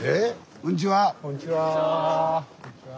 こんにちは。